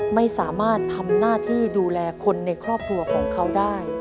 ไม่สามารถทำหน้าที่ดูแลคนในครอบครัวของเขาได้